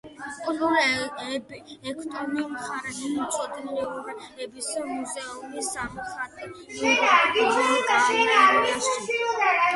კულტურული ობიექტები: მხარეთმცოდნეობის მუზეუმი, სამხატვრო გალერეა.